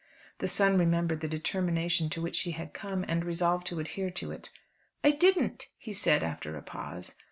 The son remembered the determination to which he had come, and resolved to adhere to it. "I didn't," he said after a pause.